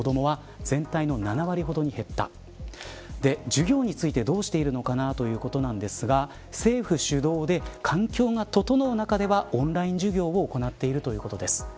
授業について、どうしているのかということなんですが政府主導で環境が整う中ではオンライン授業を行っているということです。